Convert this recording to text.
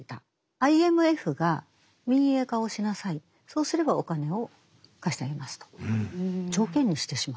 ＩＭＦが民営化をしなさいそうすればお金を貸してあげますと条件にしてしまった。